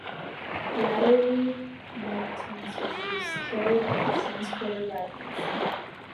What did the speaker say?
Latterly milk tanks were used, carried on the transporter wagons.